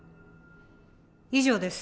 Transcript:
以上です。